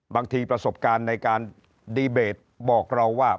บางทีประสบการณ์ในการดีเบตบอกเราว่า